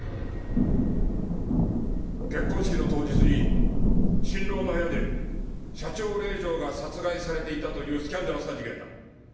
結婚式の当日に新郎の部屋で社長令嬢が殺害されていたというスキャンダラスな事件だ。